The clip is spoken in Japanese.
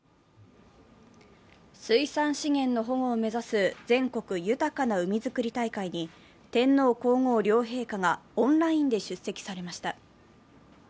水産資源の保護を目指す全国豊かな海づくり大会に天皇・皇后両陛下がオンラインで出席されました。